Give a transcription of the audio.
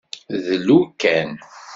Dlu kan.